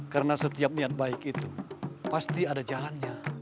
karena setiap niat baik itu pasti ada jalannya